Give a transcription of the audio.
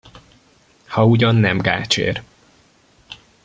Ha ugyan nem gácsér.